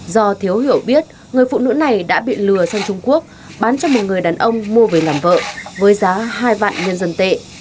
do thiếu hiểu biết người phụ nữ này đã bị lừa sang trung quốc bán cho một người đàn ông mua về làm vợ với giá hai vạn nhân dân tệ